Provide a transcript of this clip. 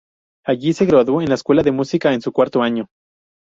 Allí se graduó en la escuela de música en su cuarto año.